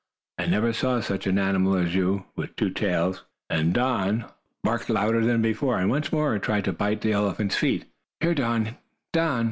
I never saw such an animal as you, with two tails. Go away!" and Don barked louder than before, and once more tried to bite the elephant's feet. "Here, Don! Don!"